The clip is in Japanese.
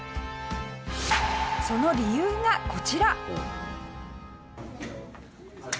その理由がこちら。